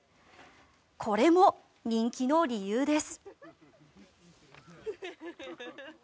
これも人気の理由です。